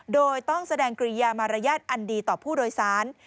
โดยต้องแสดงกิริยามารยาทอันดีต่อผู้โดยสาร